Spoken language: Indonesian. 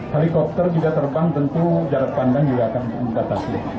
helikopter jika terbang tentu jarak pandang juga akan membatasi